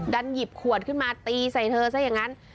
หยิบขวดขึ้นมาตีใส่เธอซะอย่างนั้น